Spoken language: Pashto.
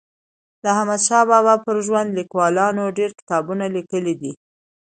د احمدشاه بابا پر ژوند لیکوالانو ډېر کتابونه لیکلي دي.